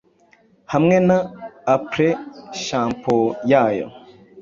hamwe na après shampoo yayo,